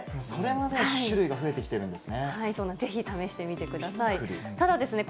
それぐらい種類が増えてきてるんですね。